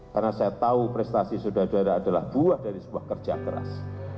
karena saya tahu prestasi saudara saudara adalah buah dari sebuah kerja keras